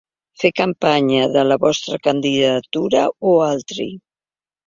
Fer campanya de la vostra candidatura o altri.